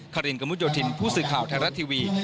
ครินกระมุดโยธินผู้สื่อข่าวไทยรัฐทีวี